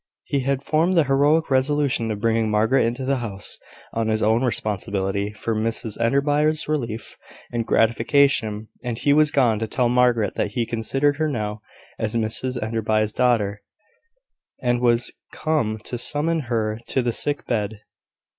He had formed the heroic resolution of bringing Margaret into the house, on his own responsibility, for Mrs Enderby's relief and gratification and he was gone to tell Margaret that he considered her now as Mrs Enderby's daughter, and was come to summon her to the sick bed.